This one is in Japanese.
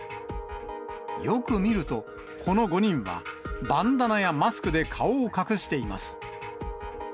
よく見ると、この５人は、バンダナやマスクで顔を隠しています。